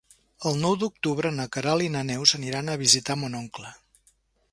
El nou d'octubre na Queralt i na Neus aniran a visitar mon oncle.